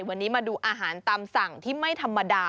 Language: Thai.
วันนี้มาดูอาหารตามสั่งที่ไม่ธรรมดา